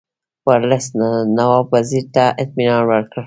ورلسټ نواب وزیر ته اطمینان ورکړ.